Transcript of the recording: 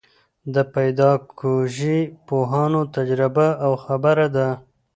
د پیداکوژۍ پوهانو تجربه او خبره ده.